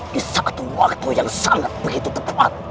di satu waktu yang sangat begitu tepat